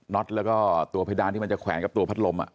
็อตแล้วก็ตัวเพดานที่มันจะแขวนกับตัวพัดลม